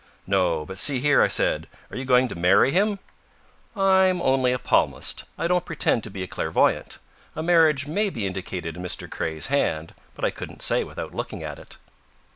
"No, but see here," I said, "are you going to marry him?" "I'm only a palmist. I don't pretend to be a clairvoyant. A marriage may be indicated in Mr. Craye's hand, but I couldn't say without looking at it."